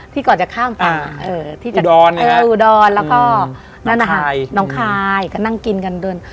ที่ก่อนจะข้ามภังอูดอนแล้วก็น้องคายนั่งกินกันเดิน